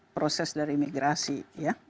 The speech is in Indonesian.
proses dari imigrasi ya